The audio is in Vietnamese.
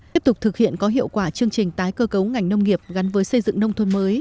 tiếp tục thực hiện có hiệu quả chương trình tái cơ cấu ngành nông nghiệp gắn với xây dựng nông thôn mới